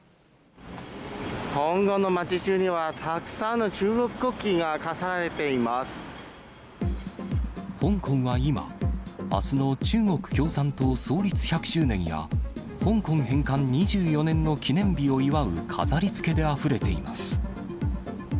香港の街じゅうには、たくさ香港は今、あすの中国共産党創立１００周年や、香港返還２４年の記念日を祝う飾りつけであふれています。